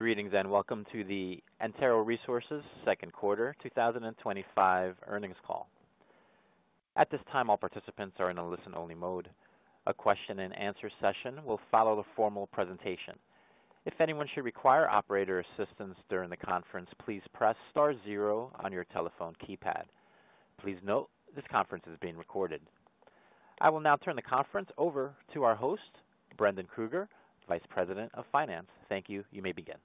Greetings and welcome to the Antero Resources second quarter 2025 earnings call. At this time, all participants are in a listen-only mode. A question-and-answer session will follow the formal presentation. If anyone should require operator assistance during the conference, please press star zero on your telephone keypad. Please note this conference is being recorded. I will now turn the conference over to our host, Brendan Krueger, Vice President of Finance. Thank you. You may begin.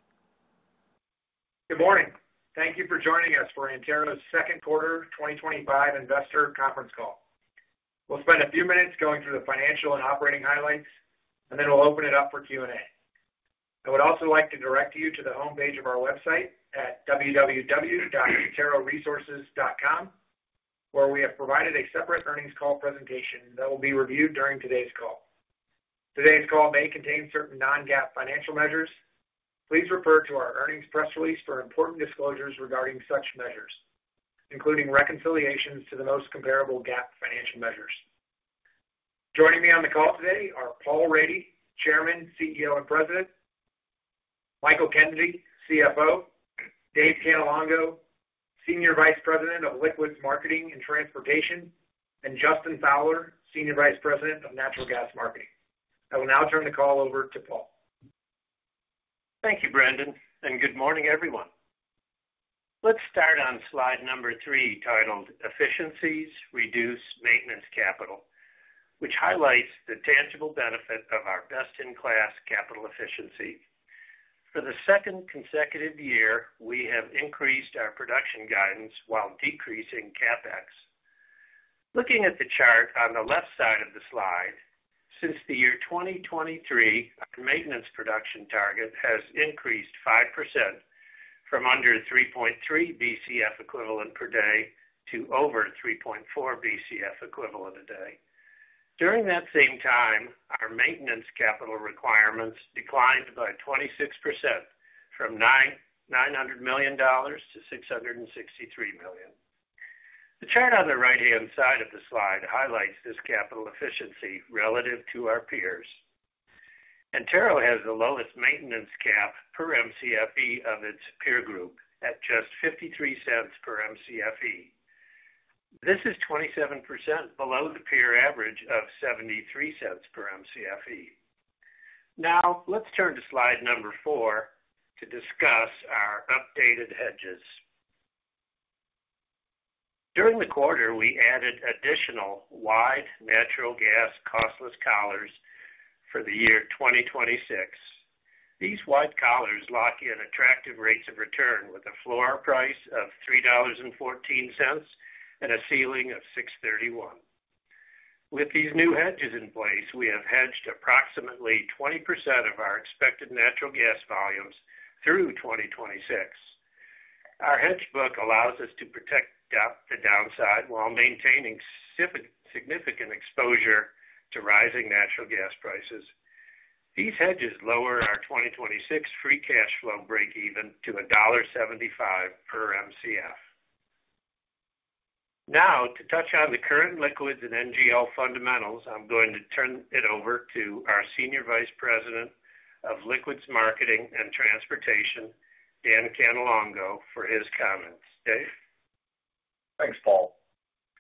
Good morning. Thank you for joining us for Antero Resources' second quarter 2025 investor conference call. We'll spend a few minutes going through the financial and operating highlights, and then we'll open it up for Q&A. I would also like to direct you to the homepage of our website at www.anteroresources.com, where we have provided a separate earnings call presentation that will be reviewed during today's call. Today's call may contain certain non-GAAP financial measures. Please refer to our earnings press release for important disclosures regarding such measures, including reconciliations to the most comparable GAAP financial measures. Joining me on the call today are Paul Rady, Chairman, CEO and President; Michael Kennedy, CFO; Dave Cannelongo, Senior Vice President of Liquids Marketing and Transportation; and Justin Fowler, Senior Vice President of Natural Gas Marketing. I will now turn the call over to Paul. Thank you, Brendan, and good morning, everyone. Let's start on slide number three titled Efficiencies Reduce Maintenance Capital, which highlights the tangible benefit of our best-in-class capital efficiency. For the second consecutive year, we have increased our production guidance while decreasing CapEx. Looking at the chart on the left side of the slide, since the year 2023, our maintenance production target has increased 5% from under 3.3 BCF equivalent per day to over 3.4 BCF equivalent a day. During that same time, our maintenance capital requirements declined by 26% from $900 million to $663 million. The chart on the right-hand side of the slide highlights this capital efficiency relative to our peers. Antero Resources has the lowest maintenance cap per MCFE of its peer group at just $0.53 per MCFE. This is 27% below the peer average of $0.73 per MCFE. Now, let's turn to slide number four to discuss our updated hedges. During the quarter, we added additional wide natural gas costless collars for the year 2026. These wide collars lock in attractive rates of return with a floor price of $3.14 and a ceiling of $6.31. With these new hedges in place, we have hedged approximately 20% of our expected natural gas volumes through 2026. Our hedge book allows us to protect the downside while maintaining significant exposure to rising natural gas prices. These hedges lower our 2026 free cash flow breakeven to $1.75 per MCF. Now, to touch on the current liquids and NGL fundamentals, I'm going to turn it over to our Senior Vice President of Liquids Marketing and Transportation, Dave Cannelongo, for his comments. Dave? Thanks, Paul.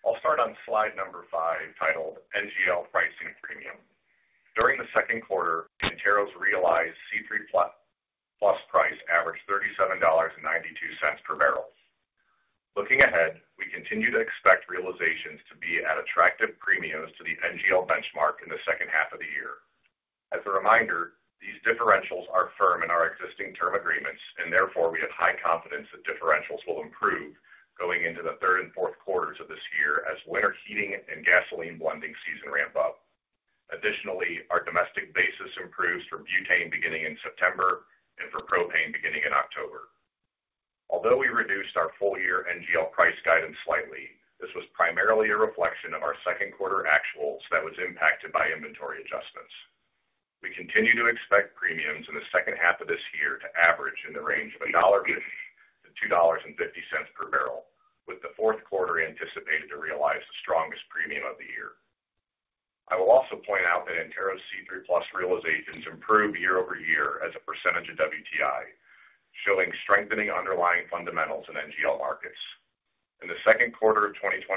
I'll start on slide number five titled NGL Pricing Premium. During the second quarter, Antero's realized C3+ price averaged $37.92 per barrel. Looking ahead, we continue to expect realizations to be at attractive premiums to the NGL benchmark in the second half of the year. As a reminder, these differentials are firm in our existing term agreements, and therefore we have high confidence that differentials will improve going into the third and fourth quarters of this year as winter heating and gasoline blending season ramp up. Additionally, our domestic basis improves for butane beginning in September and for propane beginning in October. Although we reduced our full-year NGL price guidance slightly, this was primarily a reflection of our second quarter actuals that was impacted by inventory adjustments. We continue to expect premiums in the second half of this year to average in the range of $1.50-$2.50 per barrel, with the fourth quarter anticipated to realize the strongest premium of the year. I will also point out that Antero's C3+ realizations improve year-over-year as a percentage of WTI, showing strengthening underlying fundamentals in NGL markets. In the second quarter of 2025,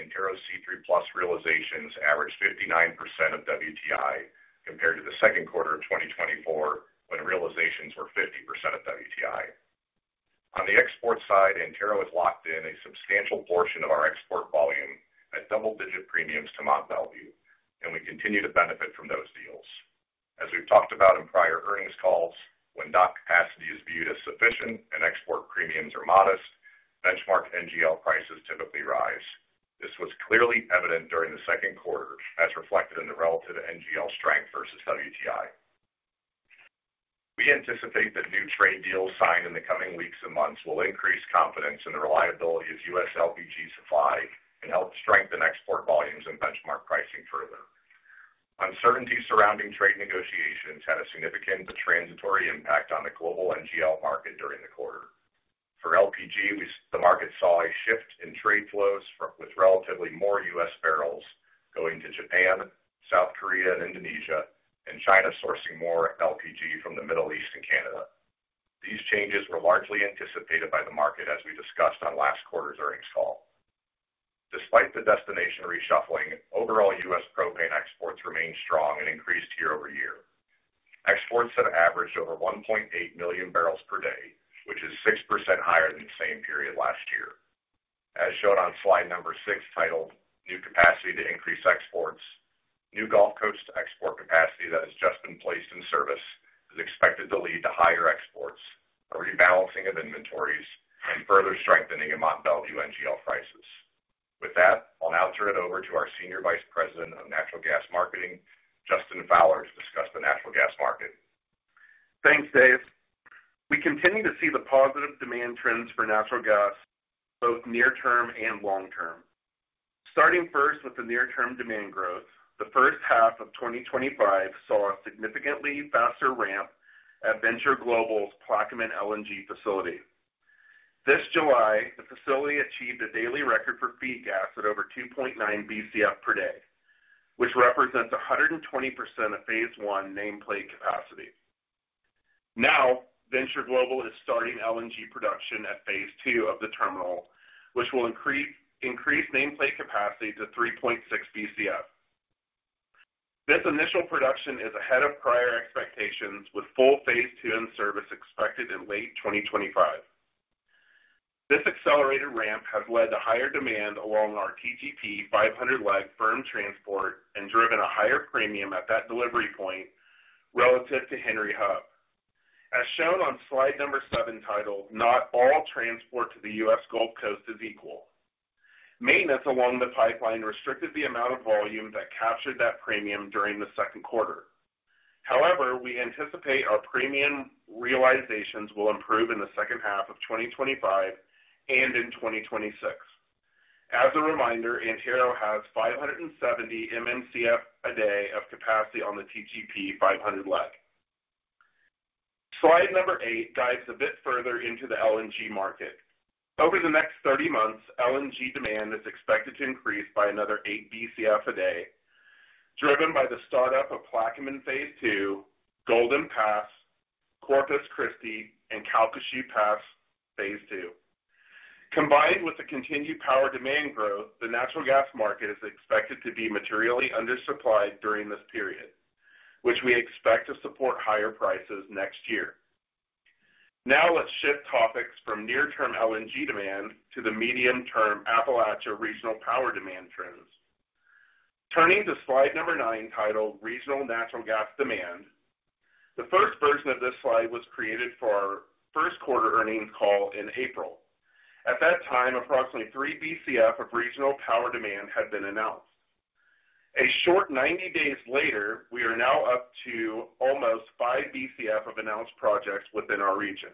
Antero's C3+ realizations averaged 59% of WTI compared to the second quarter of 2024 when realizations were 50% of WTI. On the export side, Antero has locked in a substantial portion of our export volume at double-digit premiums to Mont Belvieu, and we continue to benefit from those deals. As we've talked about in prior earnings calls, when dock capacity is viewed as sufficient and export premiums are modest, benchmark NGL prices typically rise. This was clearly evident during the second quarter, as reflected in the relative NGL strength versus WTI. We anticipate that new trade deals signed in the coming weeks and months will increase confidence in the reliability of U.S. LPG supply and help strengthen export volumes and benchmark pricing further. Uncertainty surrounding trade negotiations had a significant but transitory impact on the global NGL market during the quarter. For LPG, the market saw a shift in trade flows with relatively more U.S. barrels going to Japan, South Korea, and Indonesia, and China sourcing more LPG from the Middle East and Canada. These changes were largely anticipated by the market, as we discussed on last quarter's earnings call. Despite the destination reshuffling, overall U.S. propane exports remained strong and increased year-over-year. Exports have averaged over 1.8 million barrels per day, which is 6% higher than the same period last year. As shown on slide number six titled New Capacity to Increase Exports, new Gulf Coast export capacity that has just been placed in service is expected to lead to higher exports, a rebalancing of inventories, and further strengthening in Mont Belvieu NGL prices. With that, I'll now turn it over to our Senior Vice President of Natural Gas Marketing, Justin Fowler, to discuss the natural gas market. Thanks, Dave. We continue to see the positive demand trends for natural gas, both near-term and long-term. Starting first with the near-term demand growth, the first half of 2025 saw a significantly faster ramp at Venture Global's Plaquemines LNG facility. This July, the facility achieved a daily record for feed gas at over 2.9 BCF per day, which represents 120% of phase I nameplate capacity. Now, Venture Global is starting LNG production at phase II of the terminal, which will increase nameplate capacity to 3.6 BCF. This initial production is ahead of prior expectations, with full phase II in service expected in late 2025. This accelerated ramp has led to higher demand along our TTP 500 leg firm transport and driven a higher premium at that delivery point relative to Henry Hub. As shown on slide number seven titled Not All Transport to the U.S. Gulf Coast is Equal, maintenance along the pipeline restricted the amount of volume that captured that premium during the second quarter. However, we anticipate our premium realizations will improve in the second half of 2025 and in 2026. As a reminder, Antero has 570 MMCF a day of capacity on the TTP 500 leg. Slide number eight dives a bit further into the LNG market. Over the next 30 months, LNG demand is expected to increase by another 8 BCF a day, driven by the startup of Plaquemines phase II, Golden Pass, Corpus Christi, and Calcasieu Pass phase II. Combined with the continued power demand growth, the natural gas market is expected to be materially undersupplied during this period, which we expect to support higher prices next year. Now let's shift topics from near-term LNG demand to the medium-term Appalachia regional power demand trends. Turning to slide number nine titled Regional Natural Gas Demand, the first version of this slide was created for our first quarter earnings call in April. At that time, approximately 3 BCF of regional power demand had been announced. A short 90 days later, we are now up to almost 5 BCF of announced projects within our region.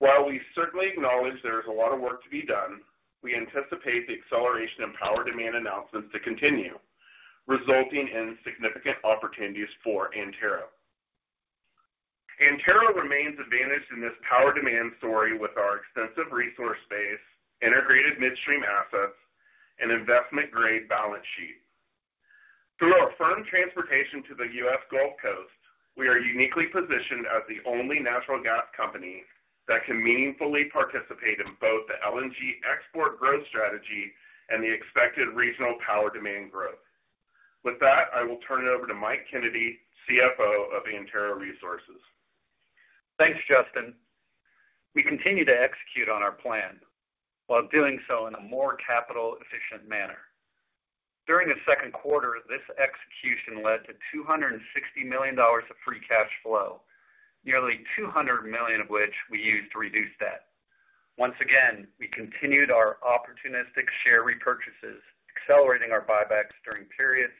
While we certainly acknowledge there is a lot of work to be done, we anticipate the acceleration in power demand announcements to continue, resulting in significant opportunities for Antero. Antero remains advantaged in this power demand story with our extensive resource base, integrated midstream assets, and investment-grade balance sheet. Through our firm transportation to the U.S. Gulf Coast, we are uniquely positioned as the only natural gas company that can meaningfully participate in both the LNG export growth strategy and the expected regional power demand growth. With that, I will turn it over to Michael Kennedy, CFO of Antero Resources. Thanks, Justin. We continue to execute on our plan while doing so in a more capital-efficient manner. During the second quarter, this execution led to $260 million of free cash flow, nearly $200 million of which we used to reduce debt. Once again, we continued our opportunistic share repurchases, accelerating our buybacks during periods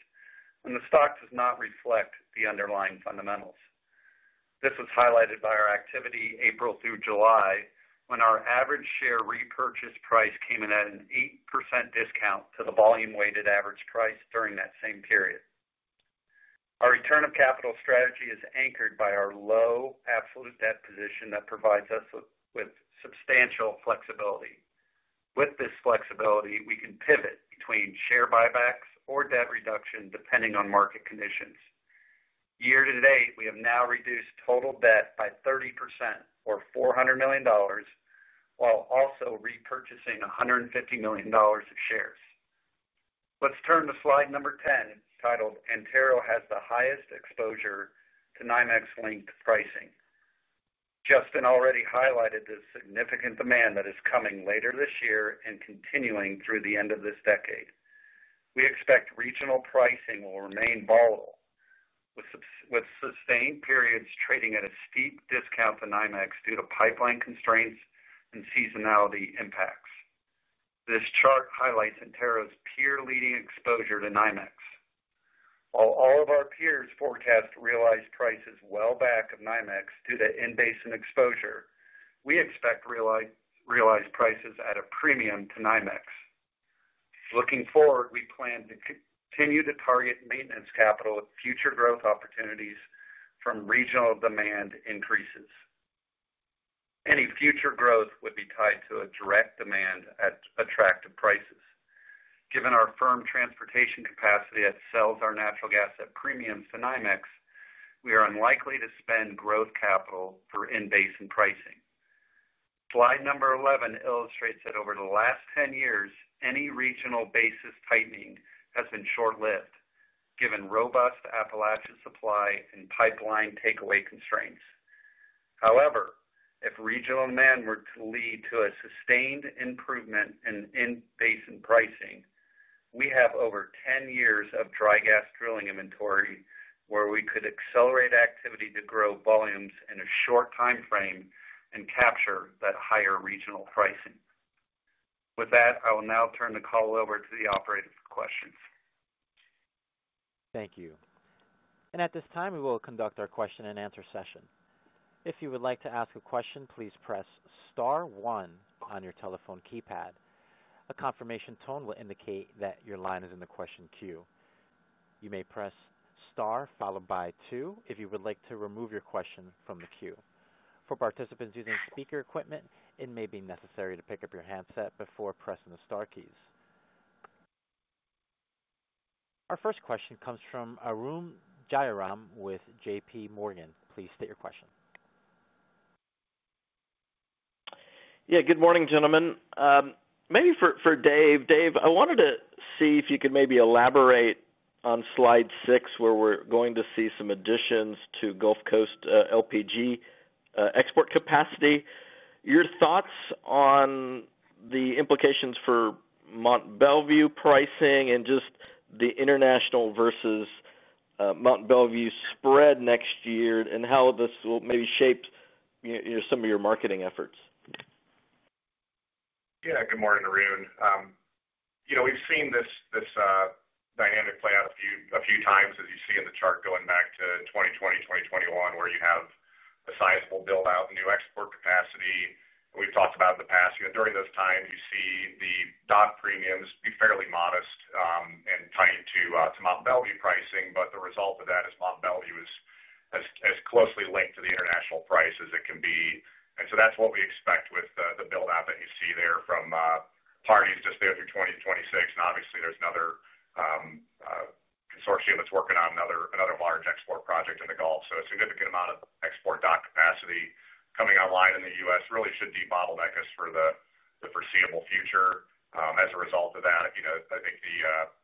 when the stock does not reflect the underlying fundamentals. This was highlighted by our activity April through July, when our average share repurchase price came in at an 8% discount to the volume-weighted average price during that same period. Our return of capital strategy is anchored by our low absolute debt position that provides us with substantial flexibility. With this flexibility, we can pivot between share buybacks or debt reduction, depending on market conditions. Year to date, we have now reduced total debt by 30% or $400 million, while also repurchasing $150 million of shares. Let's turn to slide number 10 titled Antero has the highest exposure to NYMEX linked pricing. Justin already highlighted the significant demand that is coming later this year and continuing through the end of this decade. We expect regional pricing will remain volatile, with sustained periods trading at a steep discount to NYMEX due to pipeline constraints and seasonality impacts. This chart highlights Antero's peer-leading exposure to NYMEX. While all of our peers forecast realized prices well back of NYMEX due to inbasin exposure, we expect realized prices at a premium to NYMEX. Looking forward, we plan to continue to target maintenance capital with future growth opportunities from regional demand increases. Any future growth would be tied to a direct demand at attractive prices. Given our firm transportation capacity that sells our natural gas at premiums to NYMEX, we are unlikely to spend growth capital for inbasin pricing. Slide number 11 illustrates that over the last 10 years, any regional basis tightening has been short-lived, given robust Appalachia supply and pipeline takeaway constraints. However, if regional demand were to lead to a sustained improvement in inbasin pricing, we have over 10 years of dry gas drilling inventory where we could accelerate activity to grow volumes in a short timeframe and capture that higher regional pricing. With that, I will now turn the call over to the operator for questions. Thank you. At this time, we will conduct our question-and-answer session. If you would like to ask a question, please press star one on your telephone keypad. A confirmation tone will indicate that your line is in the question queue. You may press star followed by two if you would like to remove your question from the queue. For participants using speaker equipment, it may be necessary to pick up your handset before pressing the star keys. Our first question comes from Arun Jayaram with J.P. Morgan. Please state your question. Yeah, good morning, gentlemen. Maybe for Dave, Dave, I wanted to see if you could maybe elaborate on slide six, where we're going to see some additions to Gulf Coast LPG export capacity. Your thoughts on the implications for Mont Belvieu pricing and just the international versus Mont Belvieu spread next year and how this will maybe shape some of your marketing efforts? Yeah, good morning, Arun. We've seen this dynamic play out a few times, as you see in the chart going back to 2020, 2021, where you have a sizable buildout in new export capacity. We've talked about in the past, during those times, you see the dock premiums be fairly modest and tied to Mont Belvieu pricing, but the result of that is Mont Belvieu is as closely linked to the international price as it can be. That's what we expect with the buildout that you see there from parties just there through 2026. Obviously, there's another consortium that's working on another large export project in the Gulf. A significant amount of export dock capacity coming online in the U.S. really should de-bottleneck us for the foreseeable future. As a result of that, I think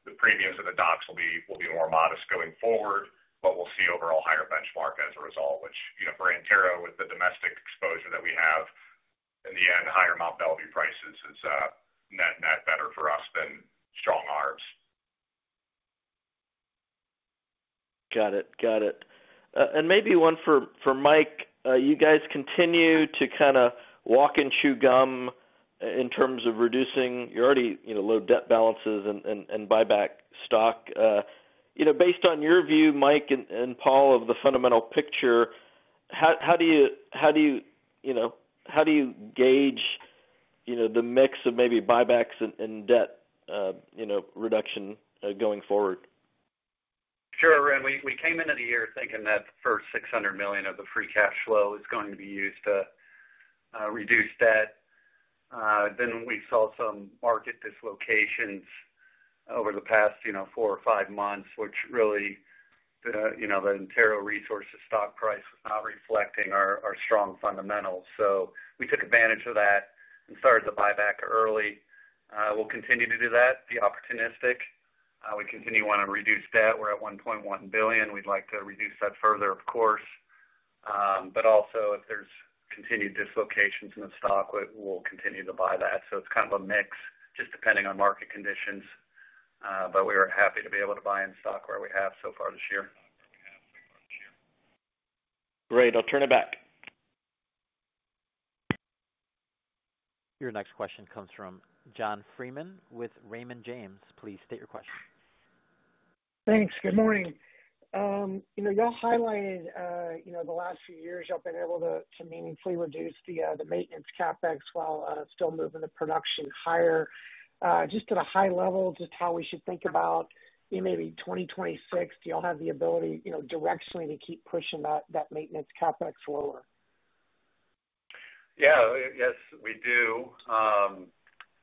the premiums at the docks will be more modest going forward, but we'll see overall higher benchmark as a result, which, for Antero Resources, with the domestic exposure that we have, in the end, higher Mont Belvieu prices is net net better for us than strong arms. Got it. Maybe one for Mike, you guys continue to kind of walk and chew gum in terms of reducing your already, you know, low debt balances and buy back stock. Based on your view, Mike and Paul, of the fundamental picture, how do you gauge, you know, the mix of maybe buybacks and debt reduction going forward? Sure, Arun. We came into the year thinking that the first $600 million of the free cash flow is going to be used to reduce debt. We saw some market dislocations over the past four or five months, which really, you know, the Antero Resources stock price was not reflecting our strong fundamentals. We took advantage of that and started to buy back early. We'll continue to do that, be opportunistic. We continue to want to reduce debt. We're at $1.1 billion. We'd like to reduce that further, of course. If there's continued dislocations in the stock, we'll continue to buy that. It's kind of a mix just depending on market conditions. We are happy to be able to buy in stock where we have so far this year. Great. I'll turn it back. Your next question comes from John Freeman with Raymond James. Please state your question. Thanks. Good morning. Y'all highlighted the last few years y'all have been able to meaningfully reduce the maintenance CapEx while still moving the production higher. Just at a high level, how we should think about maybe 2026, do y'all have the ability directionally to keep pushing that maintenance CapEx lower? Yeah, yes, we do.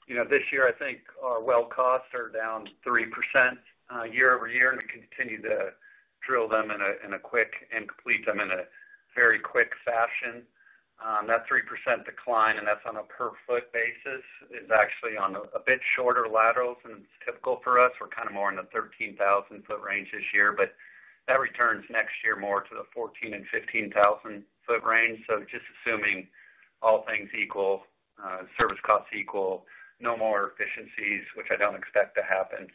You know, this year, I think our well costs are down 3% year-over-year, and we continue to drill them in a quick and complete them in a very quick fashion. That 3% decline, and that's on a per foot basis, is actually on a bit shorter laterals than is typical for us. We're kind of more in the 13,000 foot range this year, but that returns next year more to the 14,000 ft and 15,000 ft range. Just assuming all things equal, service costs equal, no more efficiencies, which I don't expect to happen,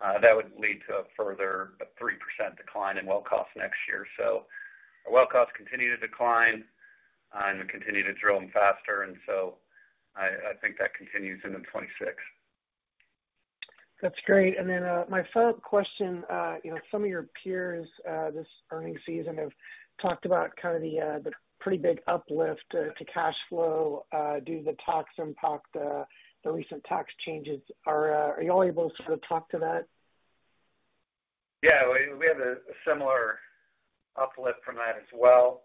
that would lead to a further 3% decline in well costs next year. Our well costs continue to decline, and we continue to drill them faster. I think that continues into 2026. That's great. My follow-up question, you know, some of your peers this earnings season have talked about kind of the pretty big uplift to cash flow due to the tax impact, the recent tax changes. Are y'all able to sort of talk to that? Yeah, we have a similar uplift from that as well.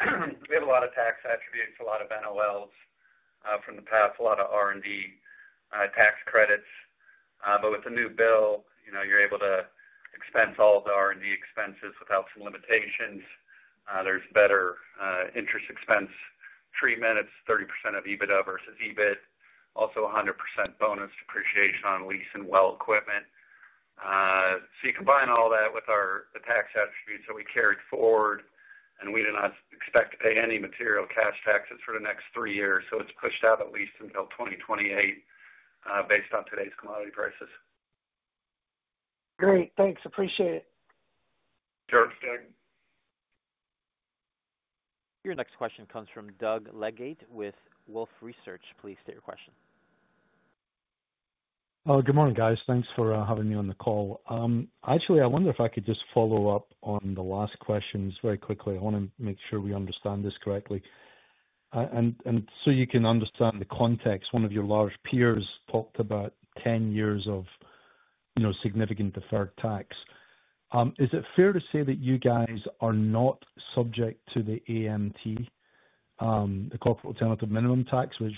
We have a lot of tax attributes, a lot of NOLs from the past, a lot of R&D tax credits. With the new bill, you're able to expense all of the R&D expenses without some limitations. There's better interest expense treatment. It's 30% of EBITDA versus EBIT. Also, a 100% bonus depreciation on lease and well equipment. You combine all that with our tax attributes that we carried forward, and we do not expect to pay any material cash taxes for the next three years. It's pushed out at least until 2028 based on today's commodity prices. Great. Thanks. Appreciate it. Sure thing. Your next question comes from Doug Leggate with Wolfe Research. Please state your question. Good morning, guys. Thanks for having me on the call. I wonder if I could just follow up on the last questions very quickly. I want to make sure we understand this correctly. To give you the context, one of your large peers talked about 10 years of significant deferred tax. Is it fair to say that you guys are not subject to the AMT, the Corporate Alternative Minimum Tax, which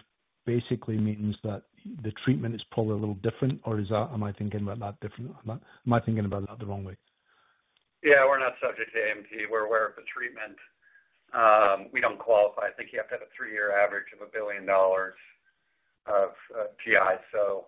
basically means that the treatment is probably a little different? Am I thinking about that differently? Am I thinking about that the wrong way? Yeah, we're not subject to AMT. We're aware of the treatment. We don't qualify. I think you have to have a three-year average of $1 billion of GI, so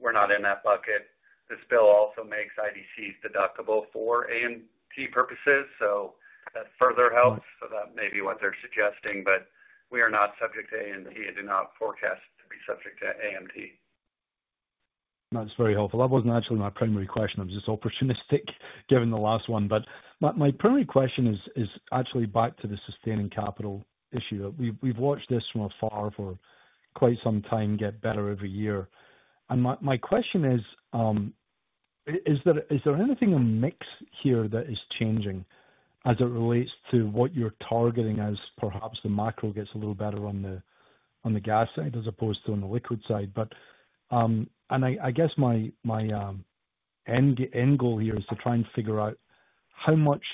we're not in that bucket. This bill also makes IDCs deductible for AMT purposes, which further helps. That may be what they're suggesting, but we are not subject to AMT. I do not forecast to be subject to AMT. That's very helpful. That wasn't actually my primary question. I was just opportunistic given the last one. My primary question is actually back to the sustaining capital issue. We've watched this from afar for quite some time get better every year. My question is, is there anything a mix here that is changing as it relates to what you're targeting as perhaps the macro gets a little better on the gas side as opposed to on the liquid side? I guess my end goal here is to try and figure out how much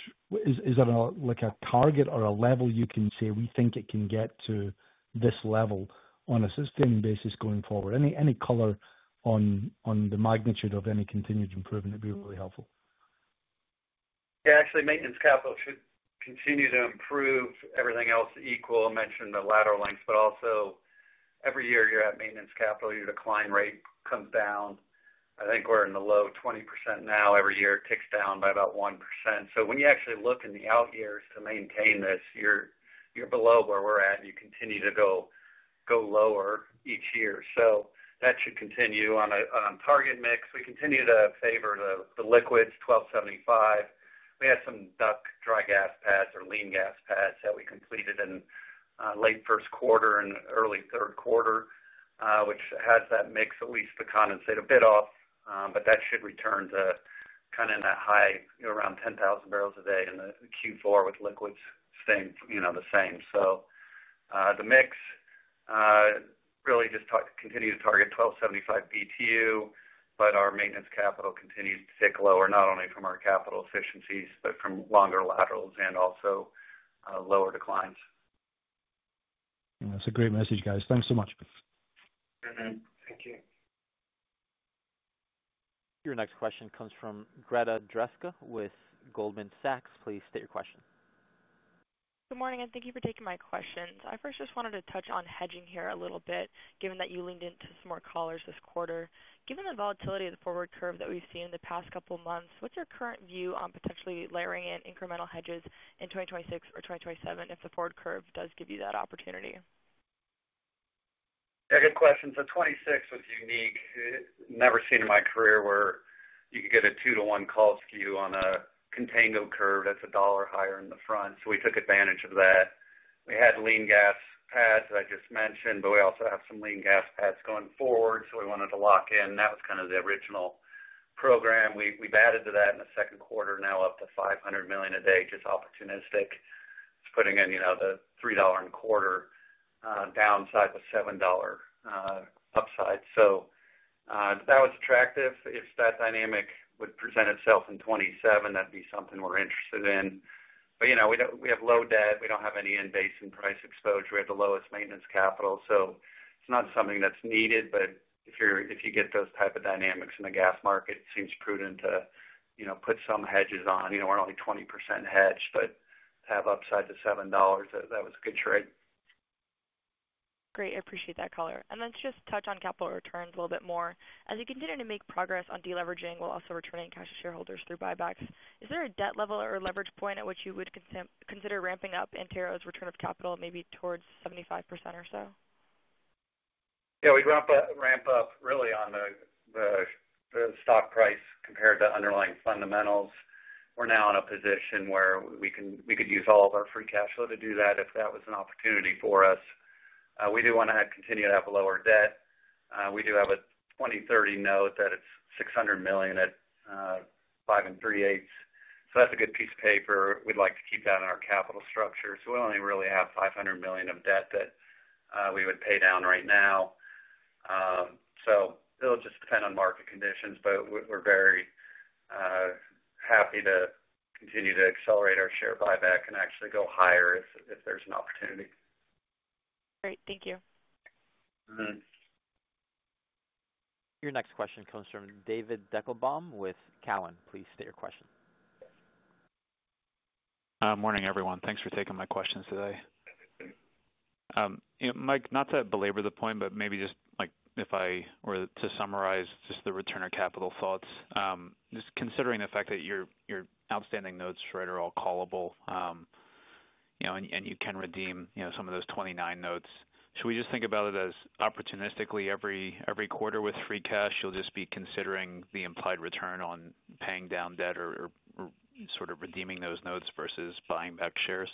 is it like a target or a level you can say we think it can get to this level on a sustaining basis going forward. Any color on the magnitude of any continued improvement would be really helpful. Yeah, actually, maintenance capital should continue to improve. Everything else is equal. I mentioned the lateral lengths, but also every year you're at maintenance capital, your decline rate comes down. I think we're in the low 20% now. Every year it ticks down by about 1%. When you actually look in the out years to maintain this, you're below where we're at, and you continue to go lower each year. That should continue on a target mix. We continue to favor the liquids $12.75. We had some dry gas pads or lean gas pads that we completed in late first quarter and early third quarter, which has that mix at least to condensate a bit off. That should return to kind of in that high, you know, around 10,000 barrels a day in Q4 with liquids staying the same. The mix really just continues to target $12.75 BTU, but our maintenance capital continues to tick lower, not only from our capital efficiencies, but from longer laterals and also lower declines. That's a great message, guys. Thanks so much. Thank you. Your next question comes from Greta Drefke with Goldman Sachs. Please state your question. Good morning, and thank you for taking my questions. I first just wanted to touch on hedging here a little bit, given that you leaned into some more collars this quarter. Given the volatility of the forward curve that we've seen in the past couple of months, what's your current view on potentially layering in incremental hedges in 2026 or 2027 if the forward curve does give you that opportunity? Yeah, good question. 2026 was unique. Never seen in my career where you could get a two-to-one call skew on a contango curve that's a dollar higher in the front. We took advantage of that. We had lean gas pads that I just mentioned, but we also have some lean gas pads going forward. We wanted to lock in. That was kind of the original program. We've added to that in the second quarter, now up to $500 million a day, just opportunistic. It's putting in the $3.25 downside with $7 upside. That was attractive. If that dynamic would present itself in 2027, that'd be something we're interested in. We don't, we have low debt. We don't have any in-basin price exposure. We have the lowest maintenance capital. It's not something that's needed, but if you get those types of dynamics in the gas market, it seems prudent to put some hedges on. We're only 20% hedged, but to have upside to $7, that was a good trade. Great. I appreciate that caller. To just touch on capital returns a little bit more, as you continue to make progress on deleveraging while also returning cash to shareholders through buybacks, is there a debt level or leverage point at which you would consider ramping up Antero Resources' return of capital, maybe towards 75% or so? Yeah, we'd ramp up really on the stock price compared to underlying fundamentals. We're now in a position where we can, we could use all of our free cash flow to do that if that was an opportunity for us. We do want to continue to have a lower debt. We do have a 2030 note that is $600 million at 5.375%. That's a good piece of paper. We'd like to keep that in our capital structure. We only really have $500 million of debt that we would pay down right now. It will just depend on market conditions, but we're very happy to continue to accelerate our share buyback and actually go higher if there's an opportunity. Great. Thank you. Your next question comes from David Deckelbaum with Cowen. Please state your question. Morning, everyone. Thanks for taking my questions today. Mike, not to belabor the point, but maybe just like if I were to summarize just the return of capital thoughts, just considering the fact that your outstanding notes, right, are all callable, you know, and you can redeem, you know, some of those 29 notes. Should we just think about it as opportunistically every quarter with free cash, you'll just be considering the implied return on paying down debt or sort of redeeming those notes versus buying back shares?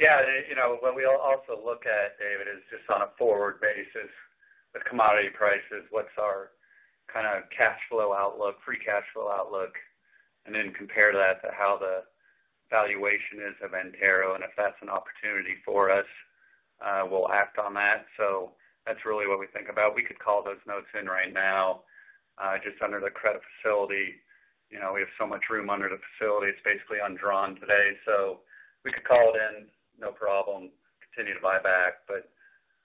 Yeah, you know, what we'll also look at, David, is just on a forward basis with commodity prices, what's our kind of cash flow outlook, free cash flow outlook, and then compare that to how the valuation is of Antero Resources. If that's an opportunity for us, we'll act on that. That's really what we think about. We could call those notes in right now, just under the credit facility. You know, we have so much room under the facility. It's basically undrawn today. We could call it in, no problem, continue to buy back.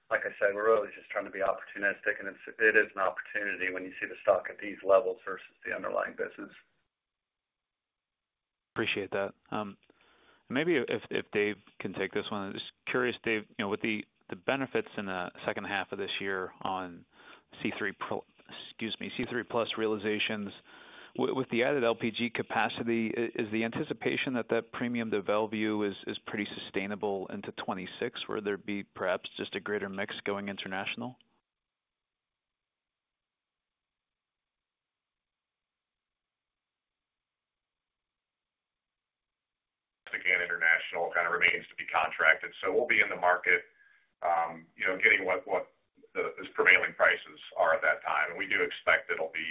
Like I said, we're really just trying to be opportunistic, and it is an opportunity when you see the stock at these levels versus the underlying business. Appreciate that. Maybe if Dave can take this one, I'm just curious, Dave, you know, with the benefits in the second half of this year on C3+ realizations, with the added LPG capacity, is the anticipation that that premium to Mont Belvieu is pretty sustainable into 2026, where there'd be perhaps just a greater mix going international? International kind of remains to be contracted. We'll be in the market, getting what those prevailing prices are at that time. We do expect it'll be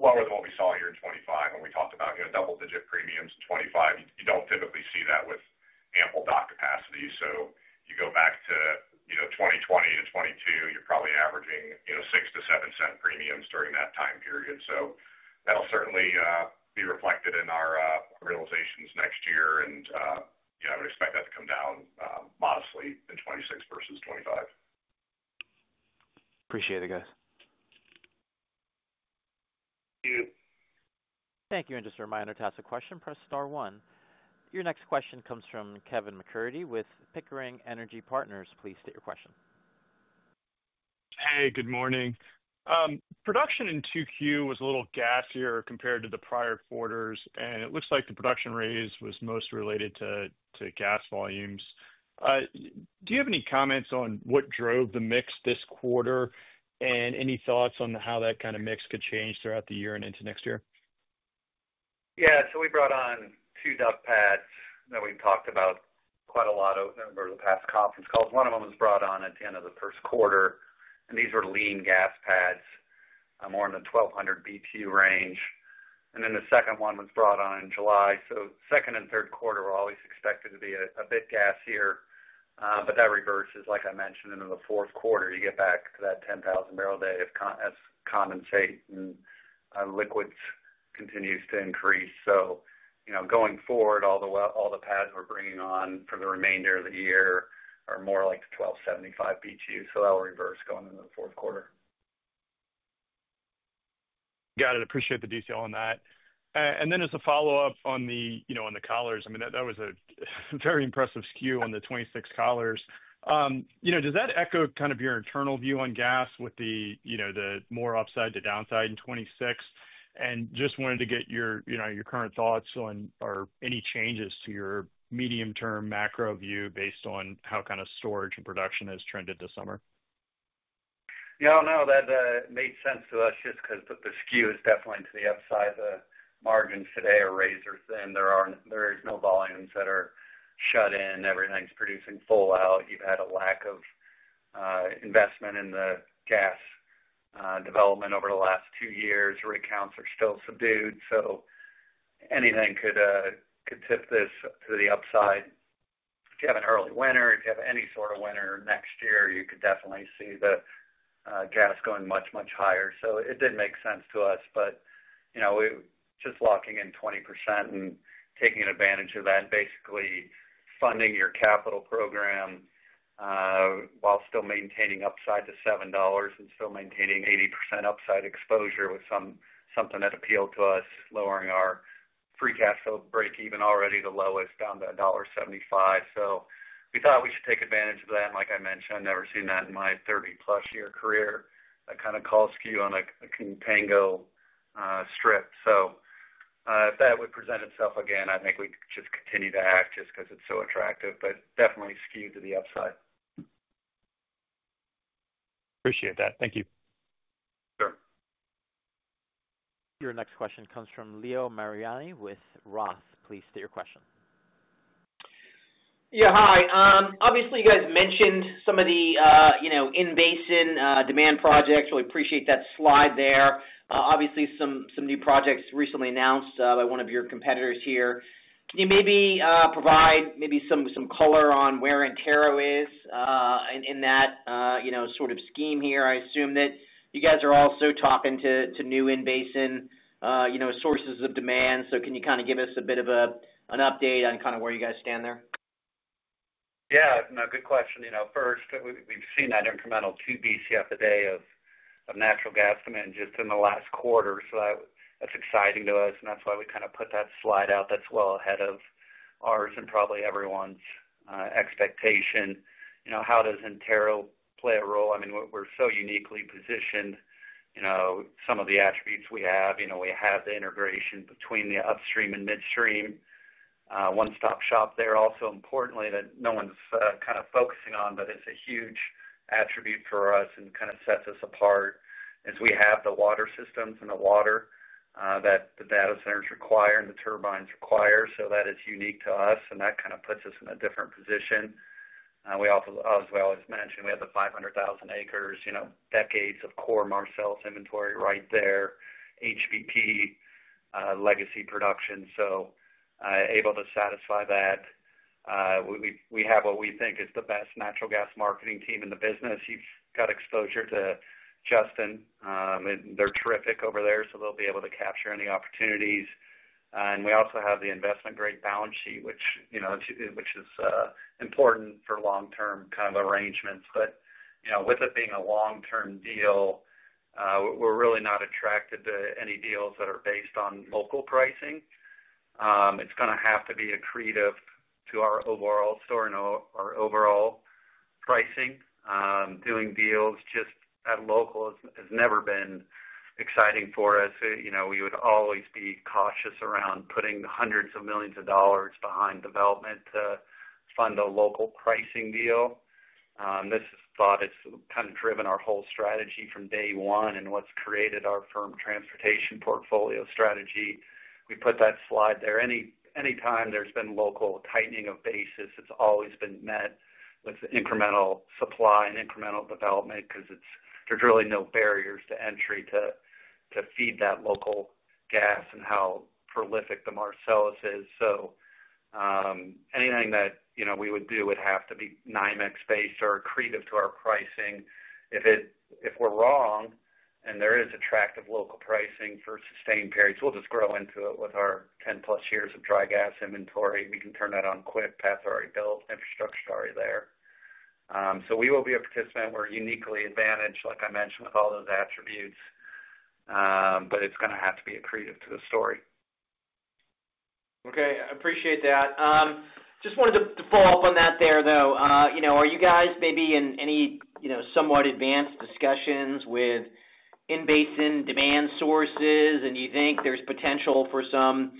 lower than what we saw here in 2025 when we talked about double-digit premiums in 2025. You don't typically see that with ample dock capacity. If you go back to 2020 to 2022, you're probably averaging $0.06-$0.07 premiums during that time period. That'll certainly be reflected in our realizations next year. I would expect that to come down modestly in 2026 versus 2025. Appreciate it, guys. Thank you. Thank you. Just a reminder, to ask a question, press star one. Your next question comes from Kevin McCarthy with Pickering Energy Partners. Please state your question. Hey, good morning. Production in Q2 was a little gassier compared to the prior quarters, and it looks like the production raise was most related to gas volumes. Do you have any comments on what drove the mix this quarter and any thoughts on how that kind of mix could change throughout the year and into next year? Yeah, we brought on two DUC pads that we've talked about quite a lot over the past conference calls. One of them was brought on at the end of the first quarter, and these were lean gas pads, more in the 1,200 BTU range. The second one was brought on in July. Second and third quarter were always expected to be a bit gassier, but that reverses, like I mentioned, into the fourth quarter. You get back to that 10,000 barrel per day of condensate and liquids as that continues to increase. Going forward, all the pads we're bringing on for the remainder of the year are more like the 1,275 BTU. That'll reverse going into the fourth quarter. Got it. Appreciate the detail on that. As a follow-up on the collars, that was a very impressive skew on the 2026 collars. Does that echo kind of your internal view on gas with the more upside to downside in 2026? Just wanted to get your current thoughts on or any changes to your medium-term macro view based on how storage and production has trended this summer. Yeah, no, that made sense to us just because the skew is definitely to the upside. The margins today are razor thin. There aren't, there's no volumes that are shut in. Everything's producing full out. You've had a lack of investment in the gas development over the last two years. Rate counts are still subdued. Anything could tip this to the upside. If you have an early winter, if you have any sort of winter next year, you could definitely see the gas going much, much higher. It did make sense to us. We're just locking in 20% and taking advantage of that and basically funding your capital program, while still maintaining upside to $7 and still maintaining 80% upside exposure was something that appealed to us, lowering our free cash flow breakeven already the lowest down to $1.75. We thought we should take advantage of that. Like I mentioned, I've never seen that in my 30+ year career, that kind of call skew on a contango strip. If that would present itself again, I think we'd just continue to act just because it's so attractive, but definitely skewed to the upside. Appreciate that. Thank you. Sure. Your next question comes from Leo Mariani with ROTH Capital Partners. Please state your question. Yeah, hi. Obviously, you guys mentioned some of the in-basin demand projects. Really appreciate that slide there. Obviously, some new projects recently announced by one of your competitors here. Can you maybe provide some color on where Antero Resources is in that scheme here? I assume that you guys are also talking to new in-basin sources of demand. Can you give us a bit of an update on where you guys stand there? Yeah, no, good question. First, we've seen that incremental 2 BCF a day of natural gas demand just in the last quarter. That's exciting to us. That's why we kind of put that slide out that's well ahead of ours and probably everyone's expectation. How does Antero Resources play a role? We're so uniquely positioned. Some of the attributes we have, we have the integration between the upstream and midstream, one-stop shop there. Also, importantly, that no one's kind of focusing on, but it's a huge attribute for us and kind of sets us apart, is we have the water systems and the water that the data centers require and the turbines require. That is unique to us, and that kind of puts us in a different position. We also, as we always mention, have the 500,000 acres, decades of core Marcellus inventory right there, HBP, legacy production, so able to satisfy that. We have what we think is the best natural gas marketing team in the business. You've got exposure to Justin, and they're terrific over there, so they'll be able to capture any opportunities. We also have the investment-grade balance sheet, which is important for long-term kind of arrangements. With it being a long-term deal, we're really not attracted to any deals that are based on local pricing. It's going to have to be accretive to our overall store and our overall pricing. Doing deals just at local has never been exciting for us. We would always be cautious around putting hundreds of millions of dollars behind development to fund a local pricing deal. This thought has kind of driven our whole strategy from day one and what's created our firm transportation portfolio strategy. We put that slide there. Anytime there's been local tightening of basis, it's always been met with incremental supply and incremental development because there's really no barriers to entry to feed that local gas and how prolific the Marcellus is. Anything that we would do would have to be NYMEX-based or accretive to our pricing. If we're wrong and there is attractive local pricing for sustained periods, we'll just grow into it with our 10+ years of dry gas inventory. We can turn that on quick. Paths are already built. Infrastructure is already there, so we will be a participant. We're uniquely advantaged, like I mentioned, with all those attributes, but it's going to have to be accretive to the story. Okay. I appreciate that. I just wanted to follow up on that there. You know, are you guys maybe in any, you know, somewhat advanced discussions with in-basin demand sources? Do you think there's potential for some,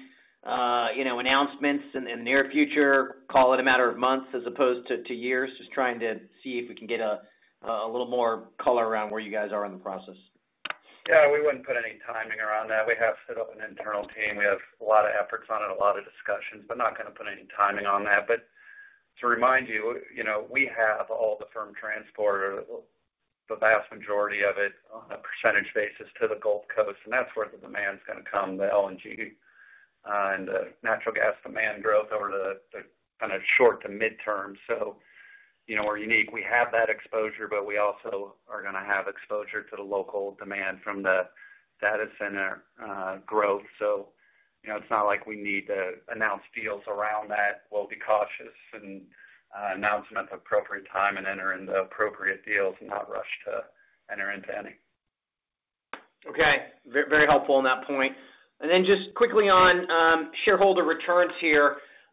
you know, announcements in the near future, call it a matter of months as opposed to years? Just trying to see if we can get a little more color around where you guys are in the process. Yeah, we wouldn't put any timing around that. We have set up an internal team. We have a lot of efforts on it, a lot of discussions, but not going to put any timing on that. To remind you, you know, we have all the firm transport, or the vast majority of it on a percentage basis to the Gulf Coast. That's where the demand is going to come, the LNG and the natural gas demand growth over the kind of short to midterm. You know, we're unique. We have that exposure, but we also are going to have exposure to the local demand from the data center growth. It's not like we need to announce deals around that. We'll be cautious and announce them at the appropriate time and enter into appropriate deals and not rush to enter into any. Okay. Very helpful on that point. Just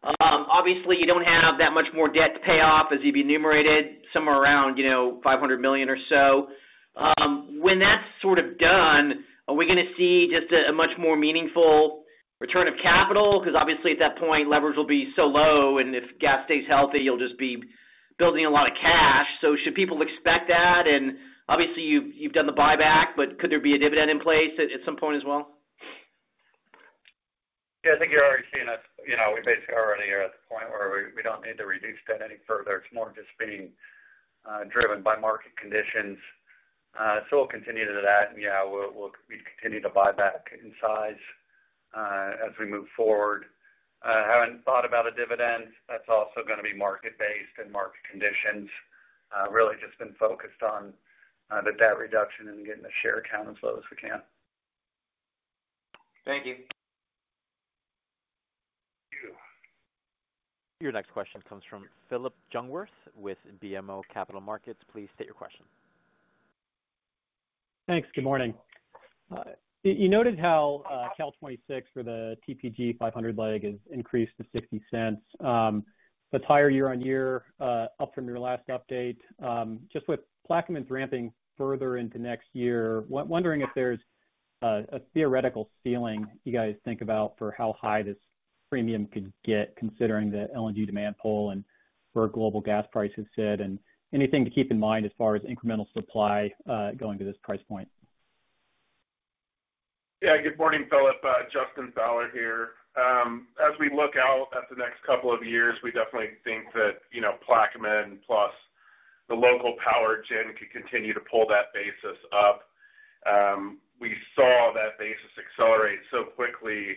quickly on shareholder returns here. Obviously, you don't have that much more debt to pay off, as you've enumerated, somewhere around $500 million or so. When that's sort of done, are we going to see just a much more meaningful return of capital? Because obviously, at that point, leverage will be so low. If gas stays healthy, you'll just be building a lot of cash. Should people expect that? Obviously, you've done the buyback, but could there be a dividend in place at some point as well? Yeah, I think you're already seeing us. We basically are already here at the point where we don't need to reduce that any further. It's more just being driven by market conditions. We'll continue to do that, and we'll continue to buy back in size as we move forward. Having thought about a dividend, that's also going to be market-based and market conditions. Really just been focused on the debt reduction and getting the share count as low as we can. Thank you. Your next question comes from Phillip Jungwirth with BMO Capital Markets. Please state your question. Thanks. Good morning. You noted how Cal 2026 for the TTP 500 leg has increased to $0.60. That's higher year on year, up from your last update. Just with Plaquemines ramping further into next year, wondering if there's a theoretical ceiling you guys think about for how high this premium could get, considering the LNG demand pull and where global gas prices sit, and anything to keep in mind as far as incremental supply going to this price point? Yeah, good morning, Philip. Justin Fowler here. As we look out at the next couple of years, we definitely think that, you know, Plaquemines plus the local power gen could continue to pull that basis up. We saw that basis accelerate so quickly.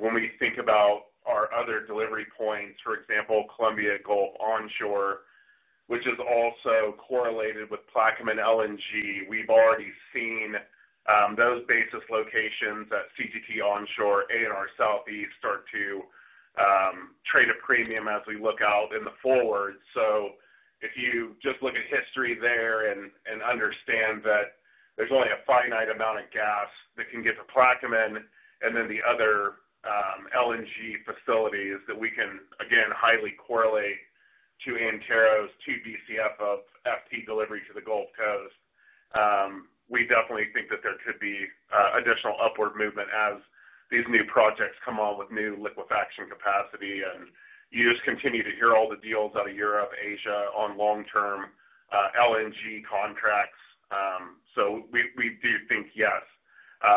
When we think about our other delivery points, for example, Columbia Gulf Onshore, which is also correlated with Plaquemines LNG, we've already seen those basis locations at CGT Onshore, A&R Southeast start to trade a premium as we look out in the forward. If you just look at history there and understand that there's only a finite amount of gas that can get to Plaquemines and then the other LNG facilities that we can, again, highly correlate to Antero's 2 BCF of FT delivery to the Gulf Coast, we definitely think that there could be additional upward movement as these new projects come on with new liquefaction capacity. You just continue to hear all the deals out of Europe, Asia, on long-term LNG contracts. We do think, yes,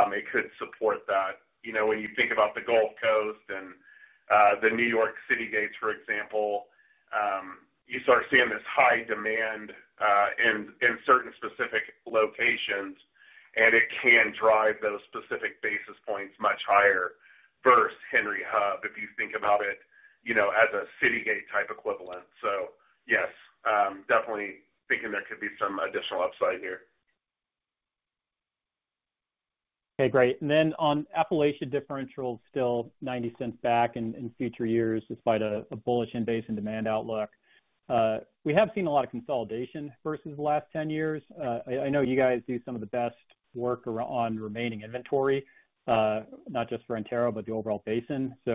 it could support that. When you think about the Gulf Coast and the New York City gates, for example, you start seeing this high demand in certain specific locations, and it can drive those specific basis points much higher versus Henry Hub, if you think about it, you know, as a city gate type equivalent. Yes, definitely thinking there could be some additional upside here. Okay, great. On Appalachia differential, still $0.90 back in future years, despite a bullish in-basin demand outlook. We have seen a lot of consolidation versus the last 10 years. I know you guys do some of the best work on remaining inventory, not just for Antero Resources, but the overall basin. I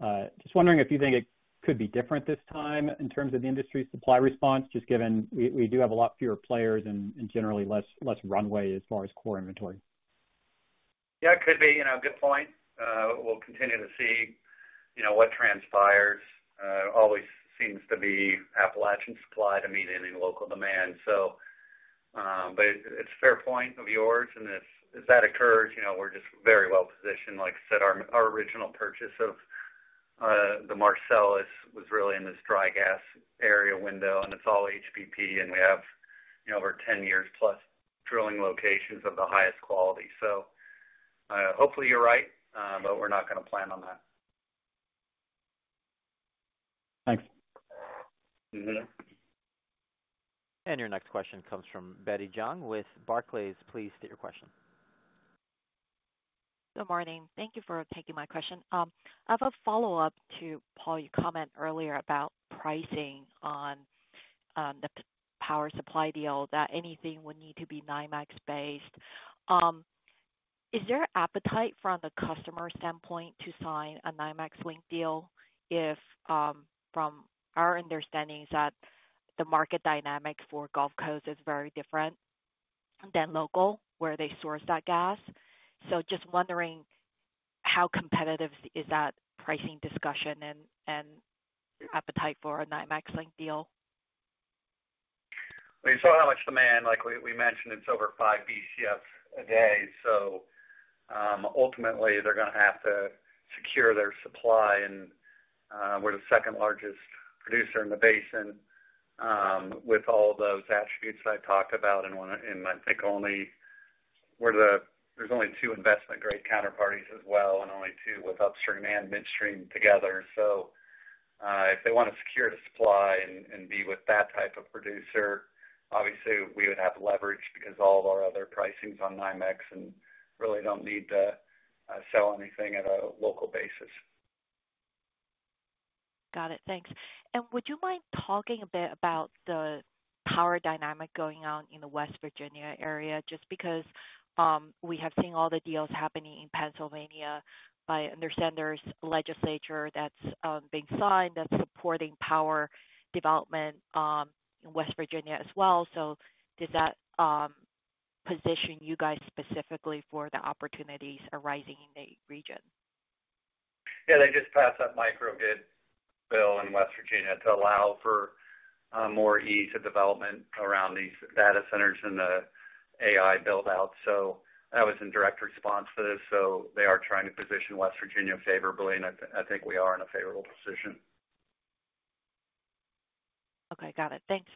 am just wondering if you think it could be different this time in terms of the industry's supply response, just given we do have a lot fewer players and generally less runway as far as core inventory. Yeah, it could be a good point. We'll continue to see what transpires. It always seems to be Appalachian supply to meet any local demand. It's a fair point of yours. As that occurs, we're just very well positioned. Like I said, our original purchase of the Marcellus was really in this dry gas area window, and it's all HBP. We have over 10 years plus drilling locations of the highest quality. Hopefully, you're right, but we're not going to plan on that. Thanks. Your next question comes from Betty Jiang with Barclays. Please state your question. Good morning. Thank you for taking my question. I have a follow-up to Paul, your comment earlier about pricing on the power supply deal, that anything would need to be NYMEX based. Is there an appetite from the customer standpoint to sign a NYMEX link deal if, from our understanding, the market dynamics for Gulf Coast is very different than local where they source that gas? I am just wondering how competitive is that pricing discussion and appetite for a NYMEX link deal? You saw how much demand, like we mentioned, it's over 5 BCF a day. Ultimately, they're going to have to secure their supply. We're the second largest producer in the basin with all those attributes that I talked about. I think there's only two investment-grade counterparties as well, and only two with upstream and midstream together. If they want to secure the supply and be with that type of producer, obviously, we would have leverage because all of our other pricing is on NYMEX and really don't need to sell anything at a local basis. Got it. Thanks. Would you mind talking a bit about the power dynamic going on in the West Virginia area? Just because we have seen all the deals happening in Pennsylvania, I understand there's a legislature that's being signed that's supporting power development in West Virginia as well. Does that position you guys specifically for the opportunities arising in the region? They just passed that microgrid bill in West Virginia to allow for more ease of development around these data centers and the AI buildout. That was in direct response to this. They are trying to position West Virginia favorably, and I think we are in a favorable position. Okay. Got it. Thanks.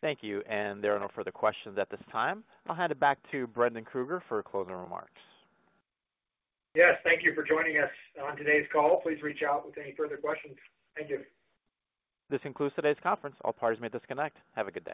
Thank you. There are no further questions at this time. I'll hand it back to Brendan Krueger for closing remarks. Yes, thank you for joining us on today's call. Please reach out with any further questions. Thank you. This concludes today's conference. All parties may disconnect. Have a good day.